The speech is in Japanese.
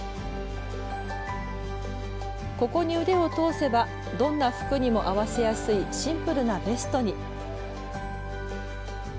ここに腕を通せばどんな服にも合わせやすいシンプルなベストに。